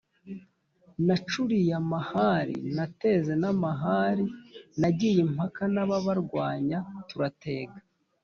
nacuriye amahari: nateze n’amahari nagiye impaka n’ababarwanya turatega